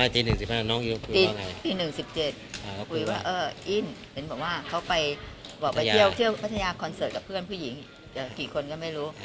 ตีหนึ่งสิบเจ็ดคุยว่าอินเขาไปเที่ยวพัทยาคอนเสิร์ตกับเพื่อนผู้หญิงกี่คนก็ไม่รู้